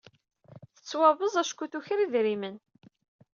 Tettwabeẓ acku tuker idrimen.